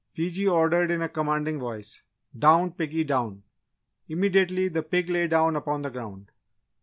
Fiji ordered in a commanding voice "Down, Piggy, down!" Immediately, the pig lay down upon the ground.